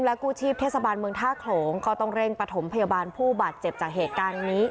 กู้ชีพเทศบาลเมืองท่าโขลงก็ต้องเร่งประถมพยาบาลผู้บาดเจ็บจากเหตุการณ์นี้